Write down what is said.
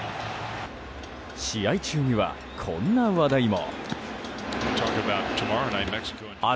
試合中にはこんな話題も。